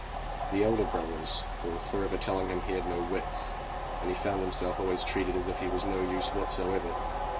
The elder brothers were forever telling him he had no wits, and he found himself always treated as of no use whatsoever.